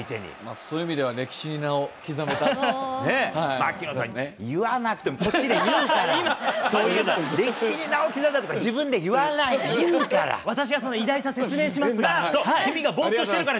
そういう意味では歴史に名を槙野さん、言わなくてもこっちで言うから、そういうのは、歴史に名を刻んだとか自分で言わない、私がその偉大さを説明しますから。